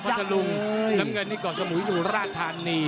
พัทธรุงน้ำเงินนี่ก่อสมุยสมุยราชธานี